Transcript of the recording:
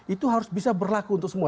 itu harus bisa berlaku untuk semua